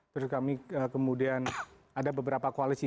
terus kami kemudian ada beberapa koalisi